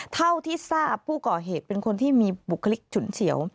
เท่าที่ทราบผู้ก่อเหตุเป็นคนที่มีบุคลิกฉุนเฉียว